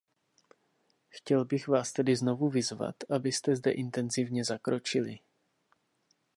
Chtěl bych vás tedy znovu vyzvat, abyste zde intenzivně zakročili.